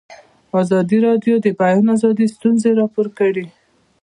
ازادي راډیو د د بیان آزادي ستونزې راپور کړي.